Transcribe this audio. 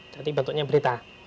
jadi bentuknya berita